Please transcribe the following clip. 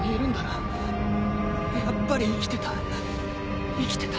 やっぱり生きてた。